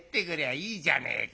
手紙じゃねえか。